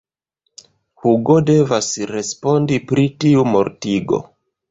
Hugo devas respondi pri tiu mortigo.